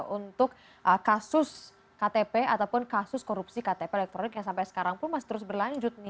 untuk kasus ktp ataupun kasus korupsi ktp elektronik yang sampai sekarang pun masih terus berlanjut nih